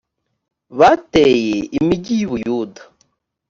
bateyeimigi y u buyuda